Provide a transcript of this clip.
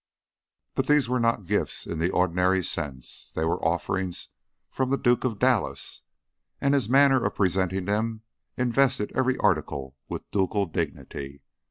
But these were not gifts in the ordinary sense; they were offerings from the Duke of Dallas, and his manner of presenting them invested every article with ducal dignity.